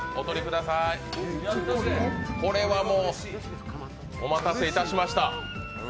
これはもう、お待たせいたしました。